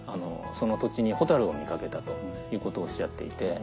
その土地にホタルを見掛けたということをおっしゃっていて。